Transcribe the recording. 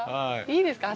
いいですか。